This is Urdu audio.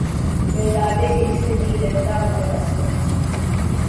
بیدادِ عشق سے نہیں ڈرتا، مگر اسد!